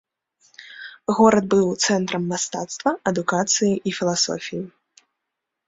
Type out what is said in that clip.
Горад быў цэнтрам мастацтва, адукацыі і філасофіі.